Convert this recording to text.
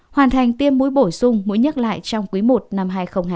hoàn thành tiêm mũi bổ sung mũi nhắc lại trong quý i năm hai nghìn hai mươi hai